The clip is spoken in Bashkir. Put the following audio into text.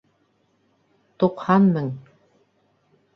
Туҡһан мең